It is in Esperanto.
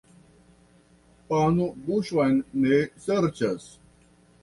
Pano buŝon ne serĉas.